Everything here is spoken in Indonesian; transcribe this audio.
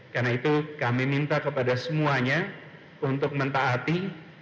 karena itu kami minta kepada semuanya untuk mentaati